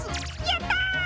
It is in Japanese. やった！